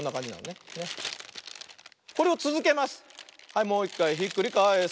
はい。